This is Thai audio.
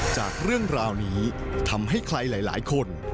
จากเรื่องราวนี้ทำให้ใครหลายคน